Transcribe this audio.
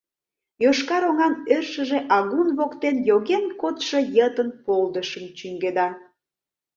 Йошкар оҥан ӧршыжӧ агун воктен йоген кодшо йытын полдышым чӱҥгеда.